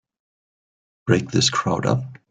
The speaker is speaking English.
Break this crowd up!